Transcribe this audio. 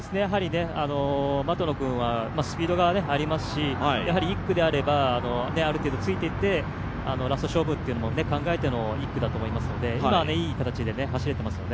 的野君はスピードがありますし、１区であればある程度ついていってラスト勝負というのを考えての１区だと思いますので、今いい形で走れてますよね。